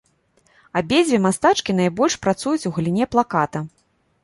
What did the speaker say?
Абедзве мастачкі найбольш працуюць у галіне плаката.